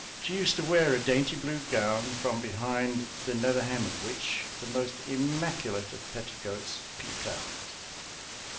She used to wear a dainty blue gown, from behind the nether hem of which the most immaculate of petticoats peeped out.